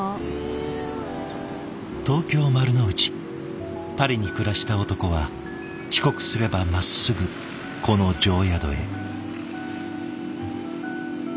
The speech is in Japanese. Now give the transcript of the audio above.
東京・丸の内パリに暮らした男は帰国すればまっすぐこの定宿へ。